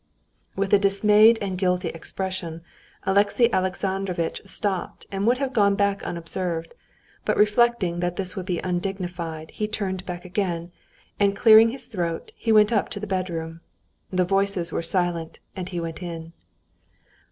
With a dismayed and guilty expression, Alexey Alexandrovitch stopped and would have gone back unobserved. But reflecting that this would be undignified, he turned back again, and clearing his throat, he went up to the bedroom. The voices were silent, and he went in.